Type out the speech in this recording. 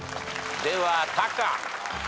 ではタカ。